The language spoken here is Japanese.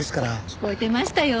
聞こえてましたよ。